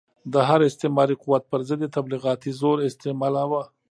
د هر استعماري قوت پر ضد یې تبلیغاتي زور استعمالاوه.